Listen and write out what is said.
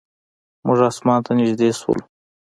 موږ اسمان ته نږدې شولو.